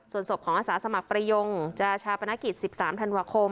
ส่วนศพของอาสาสมัครประยงจะชาปนกิจ๑๓ธันวาคม